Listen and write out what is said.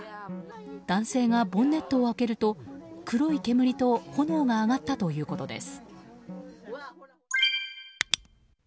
男性がボンネットを開けると黒い煙と炎が上がったということです。